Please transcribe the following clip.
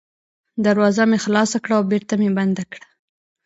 دروازه مې خلاصه کړه او بېرته مې بنده کړه.